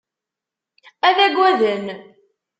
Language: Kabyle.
Ad agaden.